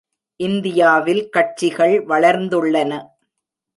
இந்தியாவில் கட்சிகள் வளர்ந்துள்ளன.